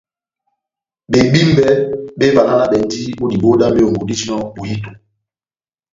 Bebímbe bévalanabɛndini ó diboho dá mehongo dijinɔ bohito.